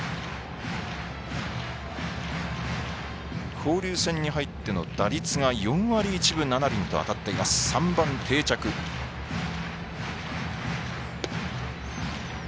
交流戦に入っての打率が４割１分７厘と当たっています。